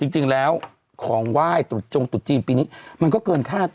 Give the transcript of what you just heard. จริงแล้วของไหว้จงตุดจีนปีนี้มันก็เกินคาด